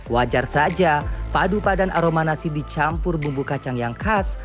wajar saja padu padan aroma nasi dicampur bumbu kacang yang khas